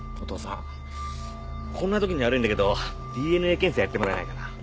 お父さんこんなときに悪いんだけどＤＮＡ検査やってもらえないかな？